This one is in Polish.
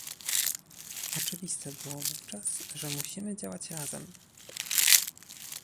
Oczywiste było wówczas, że musimy działać razem